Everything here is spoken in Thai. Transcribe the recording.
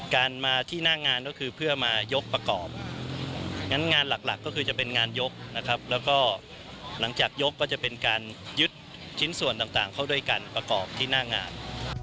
การมาที่หน้างานก็คือเพื่อมายกประกอบงั้นงานหลักก็คือจะเป็นงานยกนะครับแล้วก็หลังจากยกก็จะเป็นการยึดชิ้นส่วนต่างเข้าด้วยกันประกอบที่หน้างาน